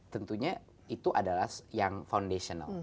tentunya itu adalah yang foundational